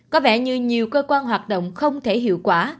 có vẻ như nhiều cơ quan hoạt động không thể hiệu quả